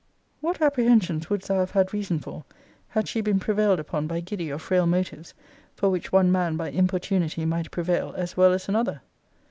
What apprehensions wouldst thou have had reason for, had she been prevailed upon by giddy or frail motives, for which one man, by importunity, might prevail, as well as another?